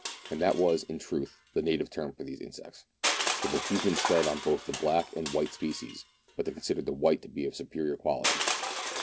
And that was, in truth, the native term for these insects. The Bochjesmen feed on both the black and white species, but they consider the white to be of superior quality.